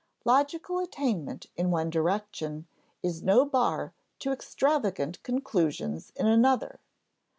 Logical attainment in one direction is no bar to extravagant conclusions in another.